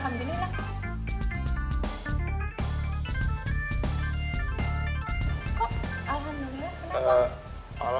kok alhamdulillah kenapa